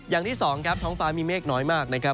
อย่างที่สองครับท้องฟ้ามีเมฆน้อยมากนะครับ